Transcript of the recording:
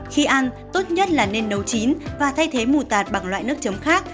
khi ăn tốt nhất là nên nấu chín và thay thế mù tạt bằng loại nước chấm khác